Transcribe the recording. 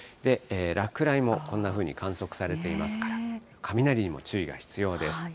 落雷もこんなふうに観測されていますから、雷にも注意が必要です。